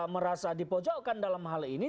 merasa dipojokkan dalam hal ini